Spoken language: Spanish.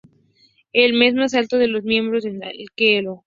Él es el más alto de los miembros del elenco.